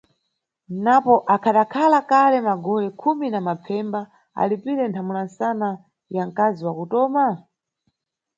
Napo, akhadakhala kale magole khumi na mapfemba alipire nthamula msana ya mkazi wa kutoma?